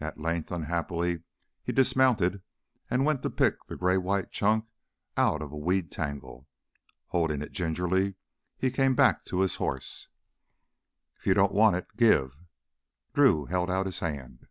At length, unhappily, he dismounted and went to pick the gray white chunk out of a weed tangle. Holding it gingerly, he came back to his horse. "If you don't want it give!" Drew held out his hand.